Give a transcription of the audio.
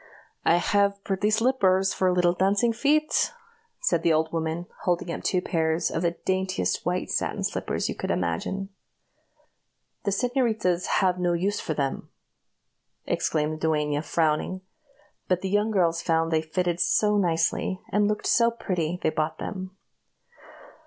"I have pretty slippers for little dancing feet," said the old woman, holding up two pairs of the daintiest white satin slippers you could imagine. "The señoritas have no use for them," exclaimed the duenna, frowning; but the young girls found that they fitted so nicely, and looked so pretty, they bought them.